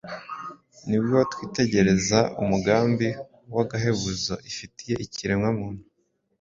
ni bwo twitegereza umugambi w’agahebuzo ifitiye ikiremwamuntu.